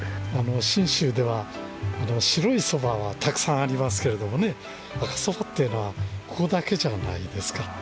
信州では、白いそばはたくさんありますけれどもね、赤そばっていうのはここだけじゃないですか。